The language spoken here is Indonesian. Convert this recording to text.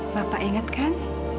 bapak ingat kan